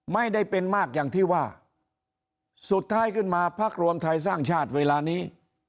ไม่ได้เป็นมากอย่างที่ว่าสุดท้ายขึ้นมาพักรวมไทยสร้างชาติเวลานี้